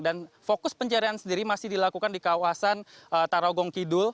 dan fokus pencarian sendiri masih dilakukan di kawasan tarogong kidul